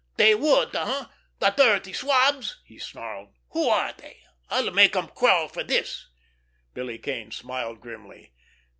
"They would, eh—the dirty swabs!" he snarled. "Who are they? I'll make 'em crawl for this!" Billy Kane smiled grimly.